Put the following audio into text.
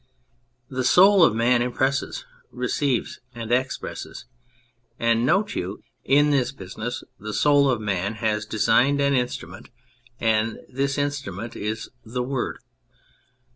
The soul of man impresses, receives and expresses. And, note you, in this business the soul of man has designed an instrument, and this instrument is the Word.